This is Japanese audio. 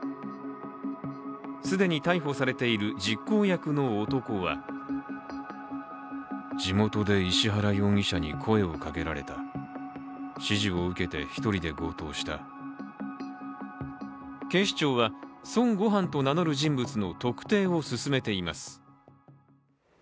既に逮捕されている実行役の男は警視庁は孫悟飯と名乗る人物の特定を進めています。